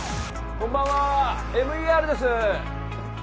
こんばんはＭＥＲです